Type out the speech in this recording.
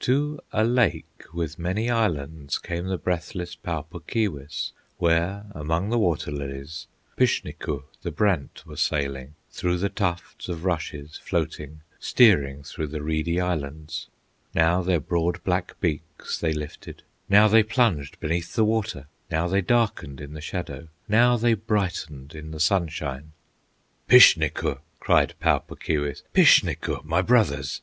To a lake with many islands Came the breathless Pau Puk Keewis, Where among the water lilies Pishnekuh, the brant, were sailing; Through the tufts of rushes floating, Steering through the reedy Islands. Now their broad black beaks they lifted, Now they plunged beneath the water, Now they darkened in the shadow, Now they brightened in the sunshine. "Pishnekuh!" cried Pau Puk Keewis, "Pishnekuh! my brothers!"